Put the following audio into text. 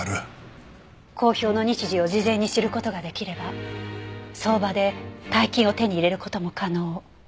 公表の日時を事前に知る事が出来れば相場で大金を手に入れる事も可能。